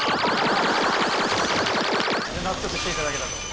納得していただけたと。